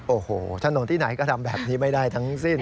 โอ้โหถนนที่ไหนก็ทำแบบนี้ไม่ได้ทั้งสิ้น